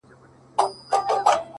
لونگينه څڼوره!! مروره!!